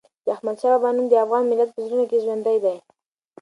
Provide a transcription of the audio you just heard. د احمدشاه بابا نوم د افغان ملت په زړونو کې ژوندي دی.